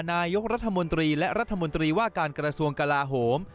นายกรัฐมนตรีและรัฐมนตรีว่าการกระทรวงกลาโหม